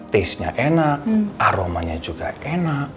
tisnya enak aromanya juga enak enak